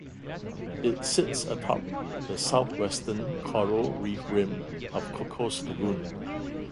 It sits atop the southwestern coral reef rim of Cocos Lagoon.